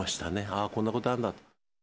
ああ、こんなことあるんだと。